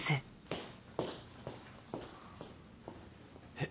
えっ？